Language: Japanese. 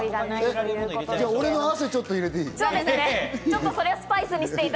俺の汗、ちょっと入れていい？